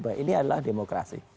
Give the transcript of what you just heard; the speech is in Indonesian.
bahwa ini adalah demokrasi